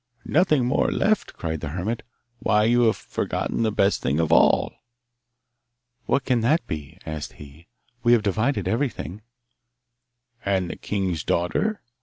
'Nothing more left!' cried the hermit. 'Why, you have forgotten the best thing of all!' 'What can that be?' asked he. 'We have divided everything.' 'And the king's daughter?